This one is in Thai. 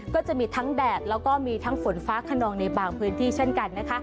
ก็จะมีทั้งแดดแล้วก็มีทั้งฝนฟ้าขนองในบางพื้นที่เช่นกันนะคะ